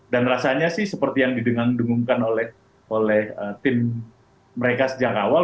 dan rasanya sih seperti yang didengungkan oleh oleh tim mereka sejak awal